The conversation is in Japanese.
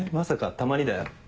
たまにだよ。